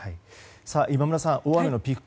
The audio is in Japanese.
今村さん、大雨のピーク